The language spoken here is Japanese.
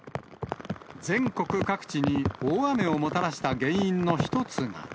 全国各地に大雨をもたらした原因の一つが。